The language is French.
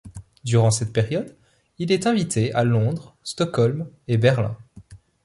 Durant cette période, il est invité à Londres, Stockholm et Berlin.